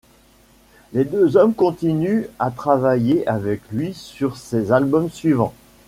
Les deux hommes continuent à travailler avec lui sur ses albums suivants.